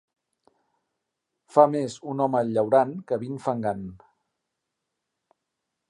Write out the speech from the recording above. Fa més un home llaurant que vint fangant.